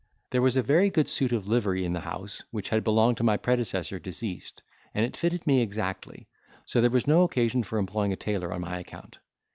There was a very good suit of livery in the house, which had belonged to my predecessor deceased, and it fitted me exactly; so that there was no occasion for employing a tailor on my account.